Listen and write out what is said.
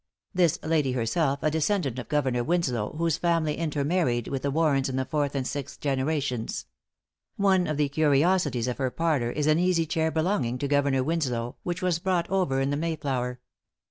This lady is herself a descendant of Governor Winslow, whose family inter married with the Warrens in the fourth and sixth generations. One of the curiosities of her parlor is an easy chair belonging to Governor Winslow, which was brought over in the Mayflower.